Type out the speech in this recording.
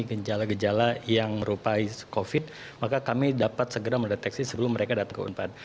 kejala kejala yang merupai covid sembilan belas maka kami dapat segera mendeteksi sebelum mereka datang ke unpad